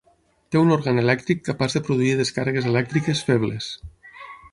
Té un òrgan elèctric capaç de produir descàrregues elèctriques febles.